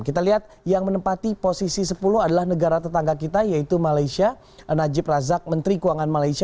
kita lihat yang menempati posisi sepuluh adalah negara tetangga kita yaitu malaysia najib razak menteri keuangan malaysia